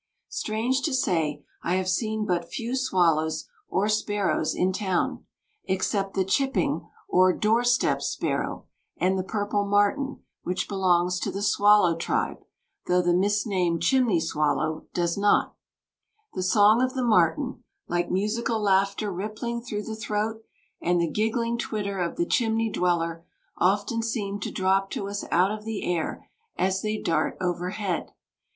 Strange to say, I have seen but few swallows or sparrows in town, except the chipping or "door step" sparrow and the purple martin which belongs to the swallow tribe, though the misnamed chimney swallow does not. The song of the martin, "like musical laughter rippling through the throat," and the "giggling twitter" of the chimney dweller, often seem to drop to us out of the air as they dart overhead.